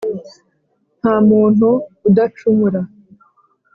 nta muntu udacumura